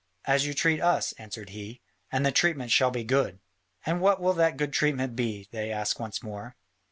"As you treat us," answered he, "and the treatment shall be good." "And what will that good treatment be?" they asked once more.